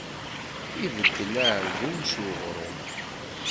Ibeddel ardum s uɣrum.